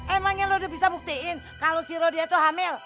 emangnya lo udah bisa buktiin kalau si rodia tuh hamil